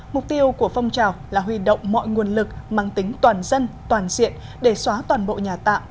mục tiêu của phong trào là huy động mọi nguồn lực mang tính toàn dân toàn diện để xóa toàn bộ nhà tạm